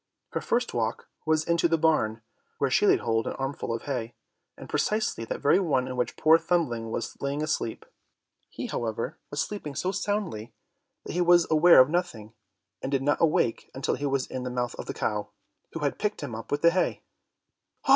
Her first walk was into the barn, where she laid hold of an armful of hay, and precisely that very one in which poor Thumbling was lying asleep. He, however, was sleeping so soundly that he was aware of nothing, and did not awake until he was in the mouth of the cow, who had picked him up with the hay.